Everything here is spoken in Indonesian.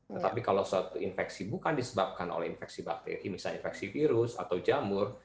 tetapi kalau suatu infeksi bukan disebabkan oleh infeksi bakteri misalnya infeksi virus atau jamur